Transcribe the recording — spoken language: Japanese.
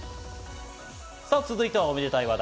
続いてはおめでたい話題。